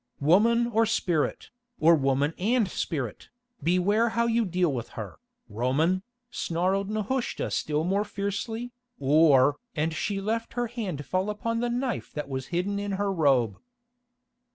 "Woman or spirit, or woman and spirit, beware how you deal with her, Roman," snarled Nehushta still more fiercely, "or——" and she let her hand fall upon the knife that was hidden in her robe.